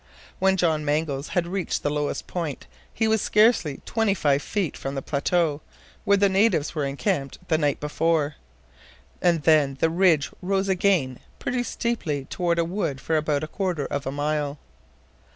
When John Mangles had reached the lowest point, he was scarcely twenty five feet from the plateau, where the natives were encamped the night before, and then the ridge rose again pretty steeply toward a wood for about a quarter of a mile.